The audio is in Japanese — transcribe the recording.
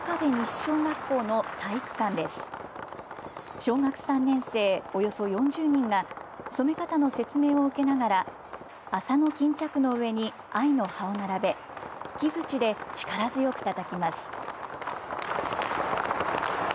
小学３年生およそ４０人が染め方の説明を受けながら麻の巾着の上に藍の葉を並べ、木づちで力強くたたきます。